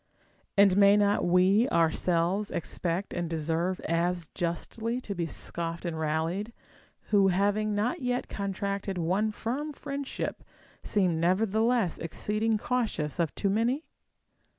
And may not we ourselves expect and deserve as justly to be scoffed and rallied, who having not yet con tracted one firm friendship seem nevertheless exceeding cautious of too many